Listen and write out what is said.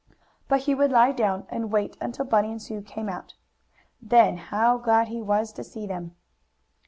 But he would lie down and wait until Bunny and Sue came out. Then how glad he was to see them!